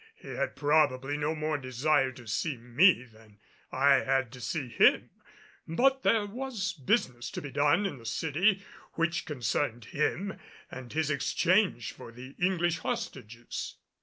He had probably no more desire to see me than I had to see him; but there was business to be done in the city which concerned him and his exchange for the English hostages.